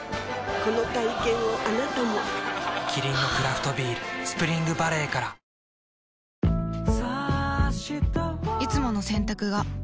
この体験をあなたもキリンのクラフトビール「スプリングバレー」からいつもの洗濯が